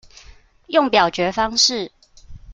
用表決方式